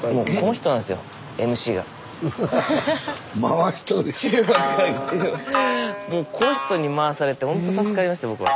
スタジオもうこの人に回されてほんと助かりました僕は。